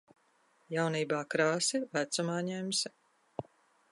Jaunībā krāsi, vecumā ņemsi.